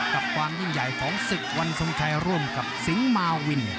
กับความยิ่งใหญ่ของศึกวันทรงชัยร่วมกับสิงหมาวิน